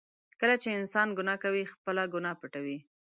کله چې انسان ګناه کوي، خپله ګناه پټوي.